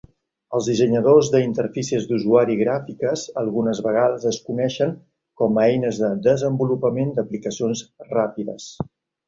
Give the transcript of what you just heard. Els dissenyadors de interfícies d"usuari gràfiques algunes vegades es coneixen com eines de desenvolupament d"aplicacions ràpides.